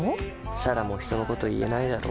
彩良も人のこと言えないだろ。